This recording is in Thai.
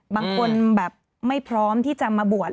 บางคนแบบไม่พร้อมที่จะมาบวช